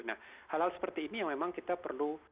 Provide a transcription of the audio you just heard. nah hal hal seperti ini yang memang kita perlu